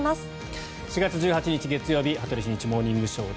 ４月１８日、月曜日「羽鳥慎一モーニングショー」。